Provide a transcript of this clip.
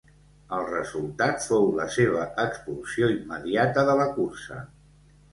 El resultat fou la seva expulsió immediata de la cursa.